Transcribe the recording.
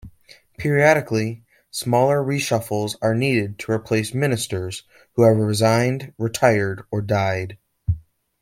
Periodically, smaller reshuffles are needed to replace ministers who have resigned, retired or died.